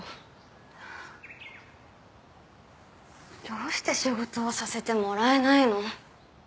どうして仕事をさせてもらえないの？